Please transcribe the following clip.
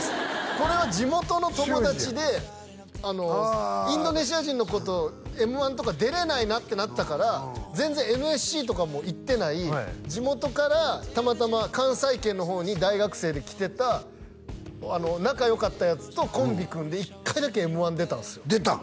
これは地元の友達でインドネシア人の子と「Ｍ−１」とか出れないなってなったから全然ＮＳＣとかも行ってない地元からたまたま関西圏の方に大学生で来てた仲良かったヤツとコンビ組んで１回だけ「Ｍ−１」出たんですよ出たん？